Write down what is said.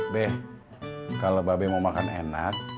be kalau mbak be mau makan enak